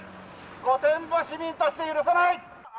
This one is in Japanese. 御殿場市民として許さない！